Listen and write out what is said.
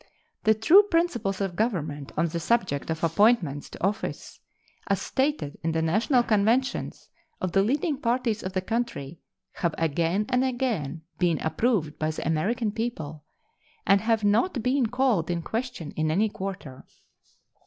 The true principles of Government on the subject of appointments to office, as stated in the national conventions of the leading parties of the country, have again and again been approved by the American people, and have not been called in question in any quarter.